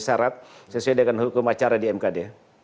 syarat sesuai dengan hukum acara di mkd